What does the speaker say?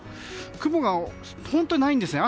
雲が本当にないんですね。